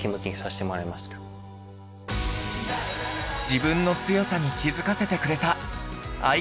自分の強さに気づかせてくれた愛